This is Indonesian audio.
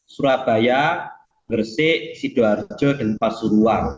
surabaya gresik sidoarjo dan pasuruan